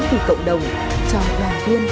vì cộng đồng cho bà huyên